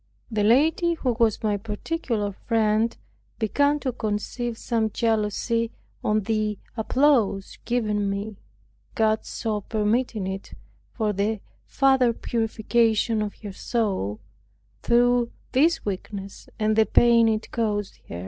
The lady, who was my particular friend, began to conceive some jealousy on the applause given me, God so permitting if for the farther purification of her soul, through this weakness, and the pain it caused her.